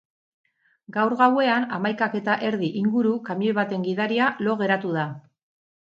Gaur gauean, hamaikak eta erdi inguru, kamioi baten gidaria lo geratu da.